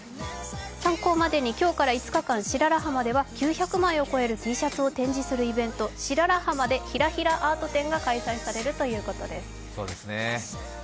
参考までに今日から５日間、白良浜では９００枚のＴシャツを展示するイベント白良浜でひらひらアート展が開催されるということです。